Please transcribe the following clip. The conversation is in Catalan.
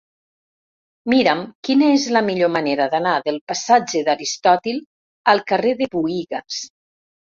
Mira'm quina és la millor manera d'anar del passatge d'Aristòtil al carrer de Buïgas.